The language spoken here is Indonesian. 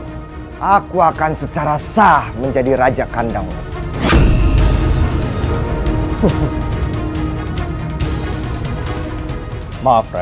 jika kita pecah bukan kita minyak untuk mati